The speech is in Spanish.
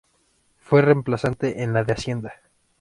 Fue reemplazante en la de Hacienda.